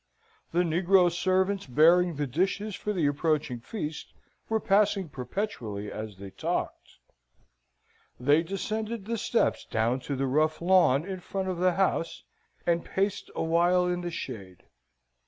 The negro servants bearing the dishes for the approaching feast were passing perpetually as they talked. They descended the steps down to the rough lawn in front of the house, and paced a while in the shade. Mr.